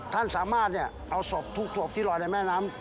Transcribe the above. ท่านสามารถเอาศพทุกศพที่ลอยในแม่น้ำ